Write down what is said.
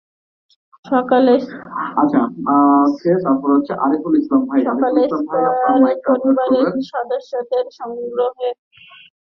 সকালে স্কয়ার পরিবারের সদস্যদের অংশগ্রহণে বর্ণাঢ্য শোভাযাত্রার মধ্য দিয়ে দিনব্যাপী আয়োজনের সূচনা হয়।